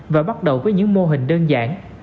và bắt đầu với những mô hình đơn giản